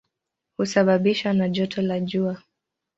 Husababishwa na joto la jua.